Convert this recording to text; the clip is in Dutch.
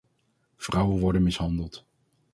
Vrouwen worden mishandeld.